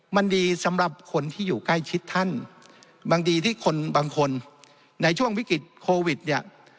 มันดีสำหรับคนที่อยู่ใกล้ชิดท่านบางทีที่คนบางคนในช่วงวิกฤตโควิดเนี่ย